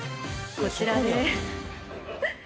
こちらです。